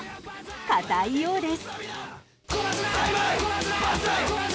かたいようです。